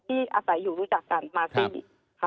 ที่อาศัยอยู่รู้จักกันมาซึ่ง